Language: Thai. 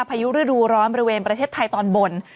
พายุฤดูร้อนบริเวณประเทศไทยตอนบน